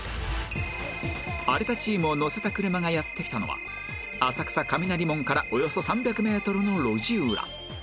有田チームを乗せた車がやって来たのは浅草雷門からおよそ３００メートルの路地裏